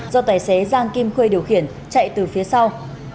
do tài xế giang kim khuê điều khiển chạy từ phía sau